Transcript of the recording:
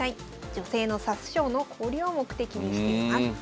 女性の指す将の交流を目的にしています。